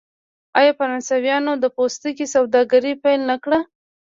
آیا فرانسویانو د پوستکي سوداګري پیل نه کړه؟